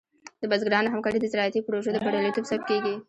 د بزګرانو همکاري د زراعتي پروژو د بریالیتوب سبب کېږي.